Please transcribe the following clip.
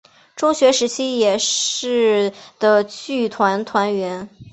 中学时期也是的剧团团员。